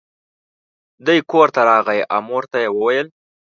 دی کور ته راغی او مور ته یې وویل.